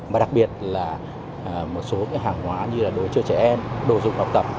và đặc biệt là một số hàng hóa như là đồ chơi trẻ em đồ dùng học tập